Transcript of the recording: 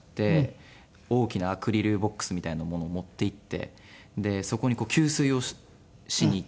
大きなアクリルボックスみたいなものを持っていってでそこに給水をしに行って。